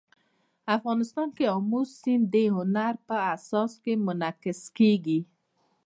افغانستان کې آمو سیند د هنر په اثار کې منعکس کېږي.